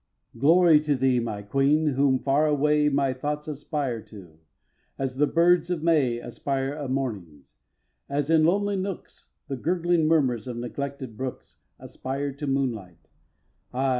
Glory to thee, my Queen! whom far away My thoughts aspire to, as the birds of May Aspire o' mornings, as in lonely nooks The gurgling murmurs of neglected brooks Aspire to moonlight, aye!